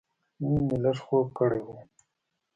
نن مې لږ خوب کړی و.